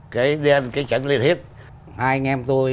cái đen cái trắng lên hết